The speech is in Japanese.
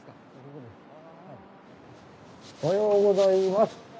おはようございます。